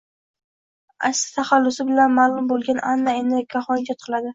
Asti taxallusi bilan ma’lum bo‘lgan Anna endi yakkaxon ijod qiladi